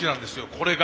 これが。